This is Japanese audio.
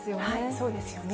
そうですよね。